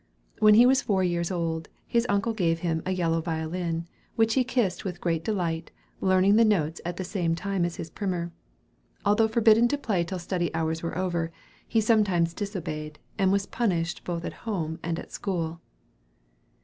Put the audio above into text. When he was four years old, his uncle gave him a yellow violin, which he kissed with great delight, learning the notes at the same time as his primer. Although forbidden to play till study hours were over, he sometimes disobeyed, and was punished both at home and at school. [Illustration: Ole Bull. (From his Memoirs, by SARA C. BULL.)